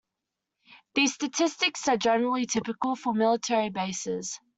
These statistics are generally typical for military bases.